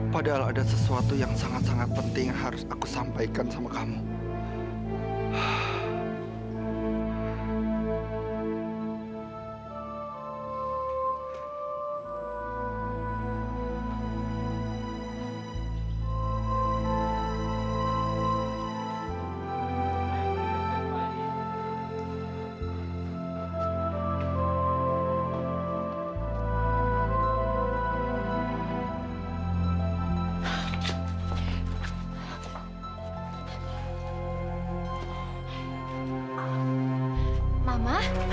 yang terakhir tuhan yang terserah menganggap anakfaranya berdisik